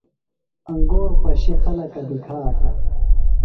انگور پشیۡ خلکہ نِکھاتہ۔